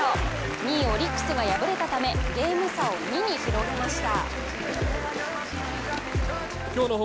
２位オリックスが敗れたためゲーム差を２に広げました。